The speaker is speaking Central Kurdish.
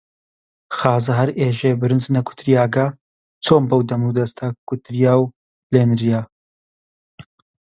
خازە هەر ئێژێ برنج نەکوتریاگە، چۆن بەو دەمودەستە کوتریا و لێ نریا؟